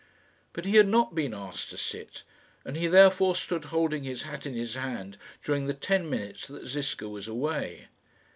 But he had not been asked to sit, and he therefore stood holding his hat in his hand during the ten minutes that Ziska was away.